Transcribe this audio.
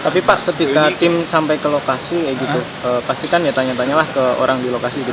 tapi pak ketika tim sampai ke lokasi kayak gitu pastikan ya tanya tanyalah ke orang di lokasi